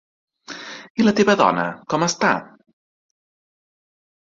I la teva dona, com està?